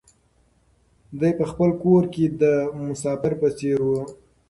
دی په خپل کور کې د مسافر په څېر و.